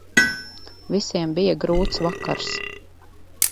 Visiem bija grūts vakars.